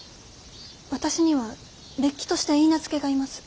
私にはれっきとした許婚がいます。